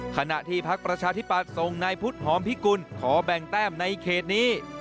ขณะที่พักประชาธิปัตย์ส่งนายพุทธหอมพิกุลขอแบ่งแต้มในเขตนี้